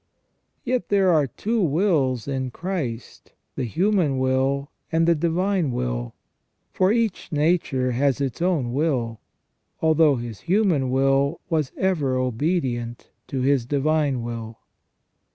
* Yet there are two wills in Christ, the human will and the divine will, for each nature has its own will, although His human will was ever obedient to His divine will.